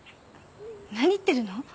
何言ってるの？